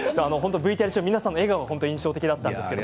皆さんの笑顔が印象的でした。